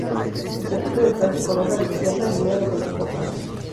El platillo del pan se coloca a la izquierda, alineado con las copas.